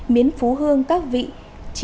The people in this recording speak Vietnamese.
miến phú hương các vị chín một trăm linh đồng một gói